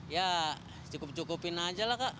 ya cukup cukupin aja lah kak